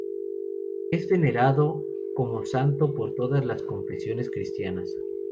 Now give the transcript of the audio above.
Es venerado como santo por todas las confesiones cristianas.